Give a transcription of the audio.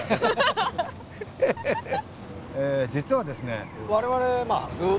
実はですね